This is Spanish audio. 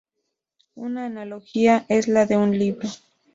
Una analogía es la de un libro.